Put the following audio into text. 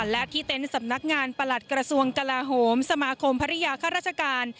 และที่เต็นต์สำนักงานประหลัดกระทรวงกลาโหมสมาคมภรรยาข้าราชการ